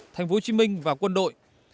tp hcm và quân đội